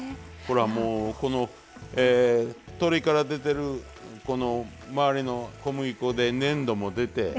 ほらもうこの鶏から出てる周りの小麦粉で粘度も出て。